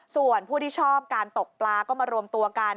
ส่วนผู้ที่ชอบการตกปลาก็มารวมตัวกัน